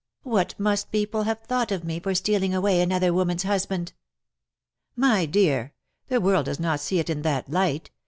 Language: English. What must people have thought of me for stealing away another woman's husband?" "My dear, the world docs not see it in that light.